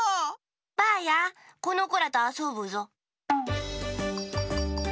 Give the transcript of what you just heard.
ばあやこのこらとあそぶぞ。